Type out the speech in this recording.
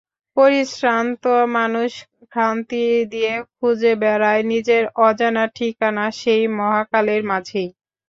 পরিশ্রান্ত মানুষ ক্ষান্তি দিয়ে খুঁজে বেড়ায় নিজের অজানা ঠিকানা সেই মহাকালের মাঝেই।